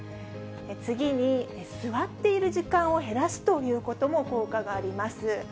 次に、座っている時間を減らすということも効果があります。